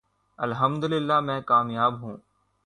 الحمدللہ میں کامیاب ہوں۔